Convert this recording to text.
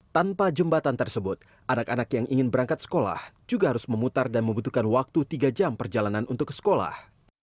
tanpa jembatan tersebut anak anak yang ingin berangkat sekolah juga harus memutar dan membutuhkan waktu tiga jam perjalanan untuk ke sekolah